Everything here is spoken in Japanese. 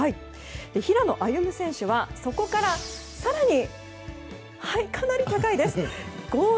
平野歩夢選手はそこから、かなり高いです。